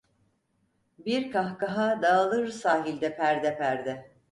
Bir kahkaha dağılır sahilde perde perde...